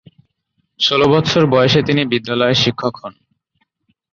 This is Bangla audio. ষোল বৎসর বয়সে তিনি বিদ্যালয়ের শিক্ষক হন।